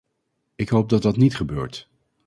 Ik hoop dat dat niet gebeurt.